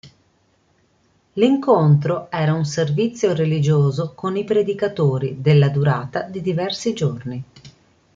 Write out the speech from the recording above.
L'incontro era un servizio religioso con i predicatori, della durata di diversi giorni.